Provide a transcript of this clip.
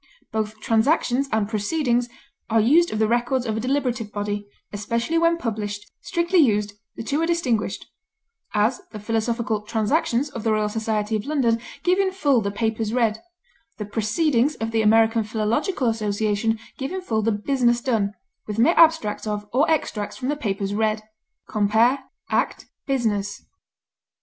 Both transactions and proceedings are used of the records of a deliberative body, especially when published; strictly used, the two are distinguished; as, the Philosophical Transactions of the Royal Society of London give in full the papers read; the Proceedings of the American Philological Association give in full the business done, with mere abstracts of or extracts from the papers read. Compare ACT; BUSINESS.